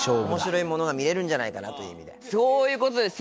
面白いものが見れるんじゃないかなという意味で。